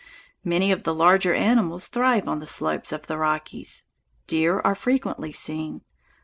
Many of the larger animals thrive on the slopes of the Rockies. Deer are frequently seen.